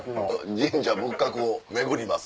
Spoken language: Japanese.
「神社仏閣を巡ります」。